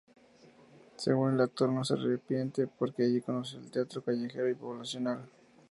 Según el actor, no se arrepiente porque allí conoció el teatro callejero y poblacional.